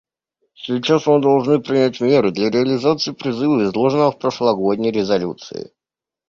Сейчас мы должны принять меры для реализации призыва, изложенного в прошлогодней резолюции: